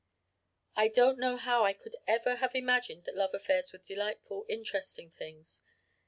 "I don't know how I could ever had imagined that love affairs were delightful, interesting things.